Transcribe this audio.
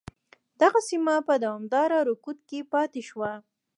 دغه سیمه په دوامداره رکود کې پاتې شوه.